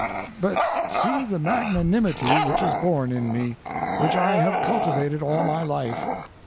But see the magnanimity which is born in me, which I have cultivated all my life.